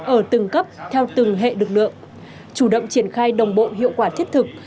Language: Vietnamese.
ở từng cấp theo từng hệ lực lượng chủ động triển khai đồng bộ hiệu quả thiết thực